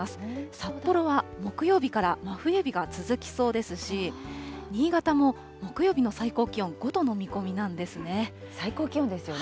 札幌は木曜日から真冬日が続きそうですし、新潟も木曜日の最高気温、５度の見込みなんですね。